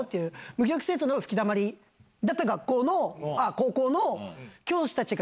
無気力生徒の吹きだまりだった学校の。